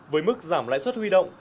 với mức giảm lãi suất huy động